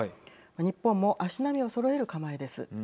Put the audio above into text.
日本も足並みをそろえる構えです。